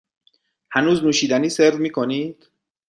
هنوز نوشیدنی سرو می کنید؟